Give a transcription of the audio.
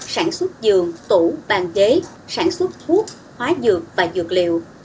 sản xuất giường tủ bàn ghế sản xuất thuốc hóa dược và dược liệu